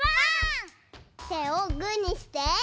てをグーにしてワン！